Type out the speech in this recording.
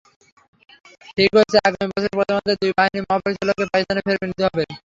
ঠিক হয়েছে, আগামী বছরের প্রথমার্ধে দুই বাহিনীর মহাপরিচালকেরা পাকিস্তানে ফের মিলিত হবেন।